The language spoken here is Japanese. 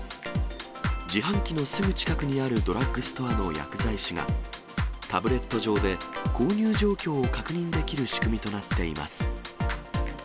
自販機のすぐ近くにあるドラッグストアの薬剤師が、タブレット上で購入状況を確認できる仕組みとなっています。